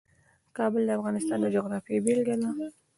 کابل د افغانستان د جغرافیې بېلګه ده.